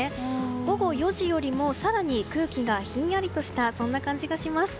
午後４時よりも更に空気がひんやりとしたそんな感じがします。